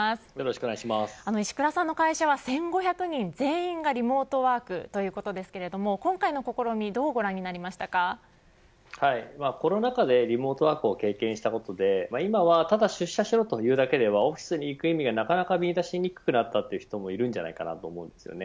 石倉さんの会社は１５００人全員がリモートワークということですが今回の試みコロナ禍でリモートワークを経験したことで今はただ出社しろと言うだけではオフィスに行く意味がなかなか見いだしにくくなったという人もいると思うんです。